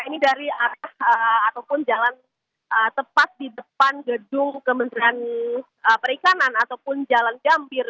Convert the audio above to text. ini dari arah ataupun jalan tepat di depan gedung kementerian perikanan ataupun jalan gambir